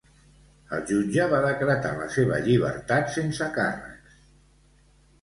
El jutge va decretar la seva llibertat sense càrrecs.